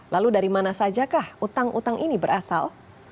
lalu dari mana saja kah utang utang ini berasal